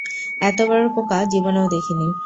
এত বড় পোকা জীবনেও দেখিনি!